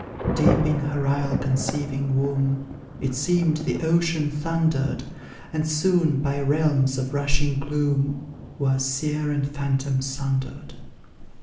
Deep in her isle conceiving womb, It seemed the ocean thundered, And soon, by realms of rushing gloom, Were seer and phantom sundered.